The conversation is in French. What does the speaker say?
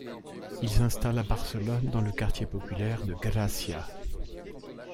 Il s'installe à Barcelone dans le quartier populaire de Gracia.